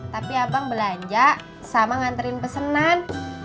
tapi abang belanja sama nganterin pesenan